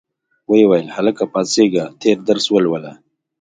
ویې ویل هلکه پاڅیږه تېر درس ولوله.